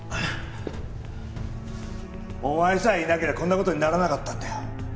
お前さえいなけりゃこんな事にならなかったんだよ。